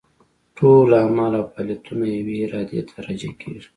ټول اعمال او فاعلیتونه یوې ارادې ته راجع کېږي.